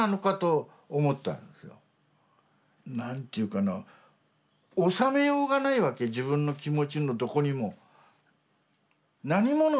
何ていうかなおさめようがないわけ自分の気持ちをどこにも。